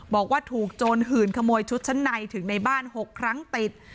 บอกว่าถูกโจรหื่นขโมยชุดชั้นในถึงในบ้าน๖ครั้งติด